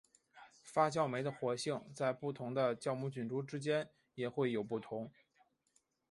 发酵酶的活性在不同的酵母菌株之间也会有不同。